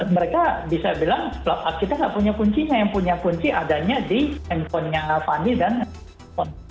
mereka bisa bilang kita tidak punya kuncinya yang punya kunci adanya di handphone nya fanny dan whatsapp